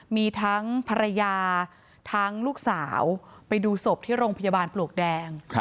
มีทั้งภรรยาทั้งลูกสาวไปดูศพที่โรงพยาบาลปลวกแดง